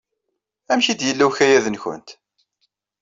Amek ay d-yella ukayad-nwent?